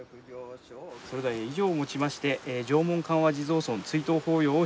それでは以上をもちまして常紋歓和地蔵尊追悼法要を終了いたします。